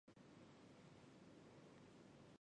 这一类产品可以在硬体商店或线上商店购得。